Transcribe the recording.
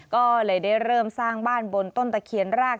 ก็เลยได้เริ่มสร้างบ้านบนต้นตะเคียนราก